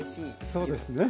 そうですね。